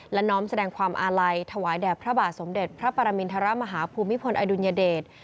และน้อมแสดงความอาลัยถวายแด่พระบาทสมเด็จพระปรมินทรมาฮภูมิพลอดุลยเดช